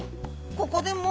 ここでもう。